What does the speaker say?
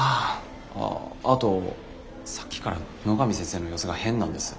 ああとさっきから野上先生の様子が変なんです。